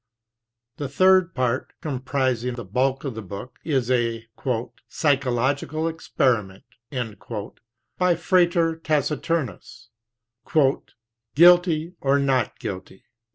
The third part, comprising the bulk of the book, is a 'psychological experiment' by Frater Taciturnus, " Guilty or not Guilty?'!